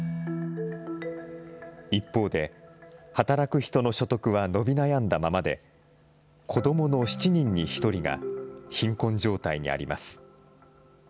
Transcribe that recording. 一方で、働く人の所得は伸び悩んだままで、子どもの７人に１人が、貧困状態にあります。